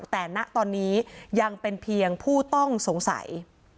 แต่ณตอนนี้ยังเป็นเพียงผู้ต้องสงสัย